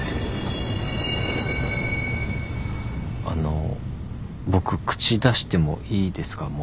あの僕口出してもいいですか？